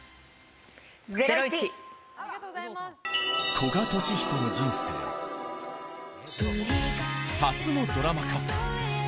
古賀稔彦の人生、初のドラマ化。